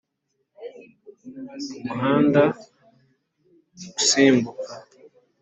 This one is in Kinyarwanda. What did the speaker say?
kumuhanda usimbuka